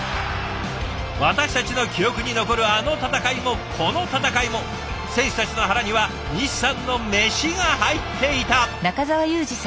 私たちの記憶に残るあの戦いもこの戦いも選手たちの腹には西さんのメシが入っていた。